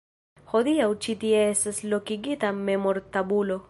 Hodiaŭ ĉi tie estas lokigita memortabulo.